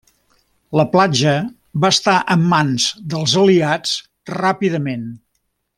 La platja va estar en mans dels aliats ràpidament.